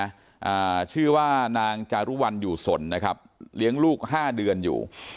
อ่าชื่อว่านางจารุวัลอยู่สนนะครับเลี้ยงลูกห้าเดือนอยู่